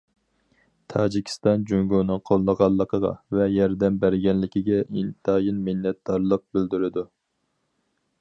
تاجىكىستان، جۇڭگونىڭ قوللىغانلىقىغا ۋە ياردەم بەرگەنلىكىگە ئىنتايىن مىننەتدارلىق بىلدۈرىدۇ.